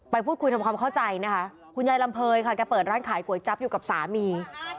พูดคุยทำความเข้าใจนะคะคุณยายลำเภยค่ะแกเปิดร้านขายก๋วยจั๊บอยู่กับสามี